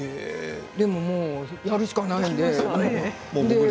でも、もうやるしかないんで。